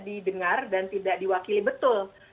didengar dan tidak diwakili betul